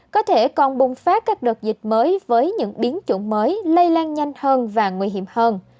có thể còn bùng phát các đợt dịch mới với những biến chủng mới lây lan nhanh hơn và nguy hiểm hơn